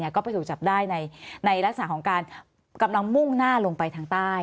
ก็ไปถูกจับได้ในลักษณะของการกำลังมุ่งหน้าลงไปทางใต้